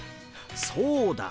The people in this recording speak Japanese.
そうだ！